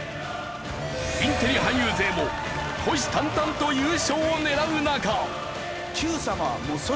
インテリ俳優勢も虎視眈々と優勝を狙う中。